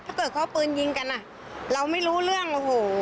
ถ้าเกิดข้อปืนยิงกันเราไม่รู้เรื่อง